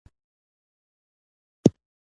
له دې پرته موږ خپله ریښه له لاسه ورکوو.